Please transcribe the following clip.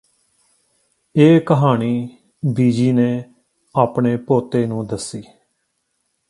ਇਹ ਕਹਾਣੀ ਬੀਜੀ ਨੇ ਆਪਣੇ ਪੋਤੇ ਨੂੰ ਦੱਸੀ